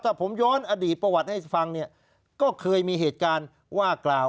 ถ้าผมย้อนอดีตประวัติให้ฟังเนี่ยก็เคยมีเหตุการณ์ว่ากล่าว